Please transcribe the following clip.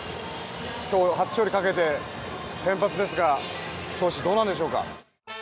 今日、初勝利をかけて先発ですが調子どうなんでしょうか。